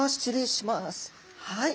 はい。